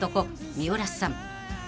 ［三浦さん］